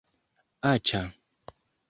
-Aĉa-